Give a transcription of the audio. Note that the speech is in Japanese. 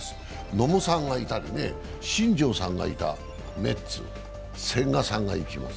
野茂さんがいたり新庄さんがいたメッツ、千賀さんが行きます。